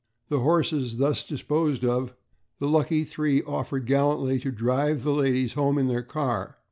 The horses thus disposed of, the "lucky three" offered gallantly to drive the ladies home in their car.